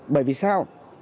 bởi vì sao